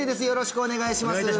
よろしくお願いします